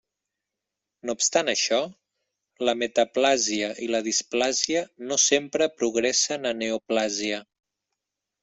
No obstant això, la metaplàsia i la displàsia no sempre progressen a neoplàsia.